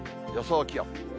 予想気温。